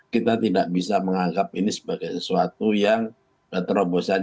kita tidak bisa menganggap ini sebagai sesuatu yang terobosan